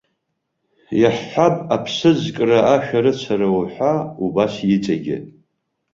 Иаҳҳәап, аԥсыӡкра, ашәарыцара уҳәа убас иҵегьы.